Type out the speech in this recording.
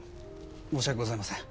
申し訳ございません。